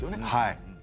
はい。